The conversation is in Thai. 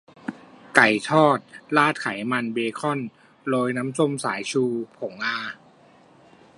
ไก่ทอดราดไขมันเบคอนโรยน้ำส้มสายชูผง อา